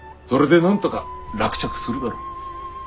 それでなんとか落着するだろう。